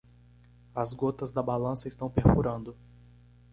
As gotas da balança estão perfurando.